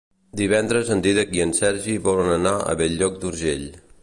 Divendres en Dídac i en Sergi volen anar a Bell-lloc d'Urgell.